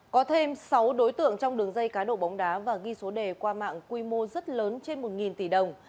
có thêm sáu đối tượng trong đường dây cá độ bóng đá và ghi số đề qua mạng quy mô rất lớn trên một tỷ đồng